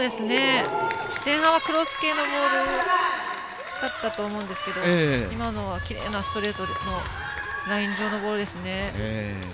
前半はクロス系のボールだったと思うんですけど今のは、きれいなストレートのライン上のボールですね。